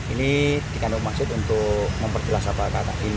ini dikandung maksud untuk memperjelas apa kata ini